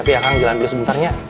tapi ya kang jalan pilih sebenternya